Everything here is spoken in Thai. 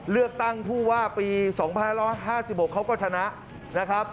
เลือกตั้งผู้ว่าปี๒๕๕๖เขาก็ชนะนะครับ